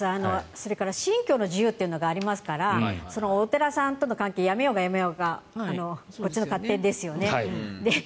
それから信教の自由というのがありますからお寺さんとの関係をやめようがやめまいがこっちの勝手ですよね。